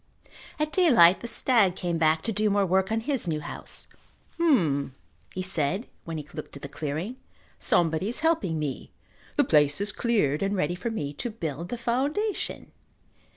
At daylight the stag came back to do more work on his new house. "H'm," he said when he looked at the clearing. "Somebody is helping me. The place is cleared and ready for me to build the foundation."